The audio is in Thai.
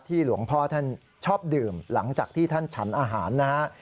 หลวงพ่อท่านชอบดื่มหลังจากที่ท่านฉันอาหารนะฮะ